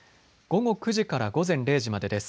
午後９時から午前０時までです。